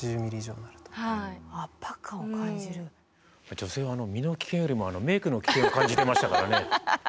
女性は身の危険よりもメイクの危険を感じてましたからね。